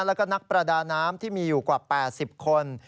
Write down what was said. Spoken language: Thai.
แล้วก็นักประดาน้ำที่มีอยู่กว่า๘๐คน